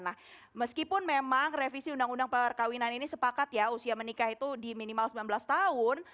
nah meskipun memang revisi undang undang perkawinan ini sepakat ya usia menikah itu di minimal sembilan belas tahun